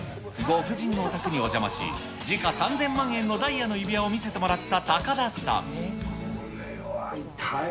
ご婦人のお宅にお邪魔し、時価３０００万円のダイヤの指輪を見せてもらった高田さん。